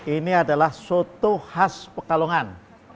ini adalah soto khas pekalongan